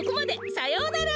さようなら。